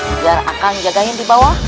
biar akan jagain di bawah